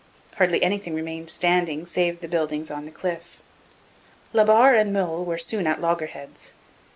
Hardly anything remained standing save the buildings on the cliff. La Barre and Meulles were soon at loggerheads.